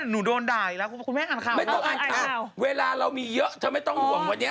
ดูหนูโดนด่ายอีกแล้วคุณแม่อ่านข่าวอ่ะเวลาเรามีเยอะเธอไม่ต้องห่วงวันนี้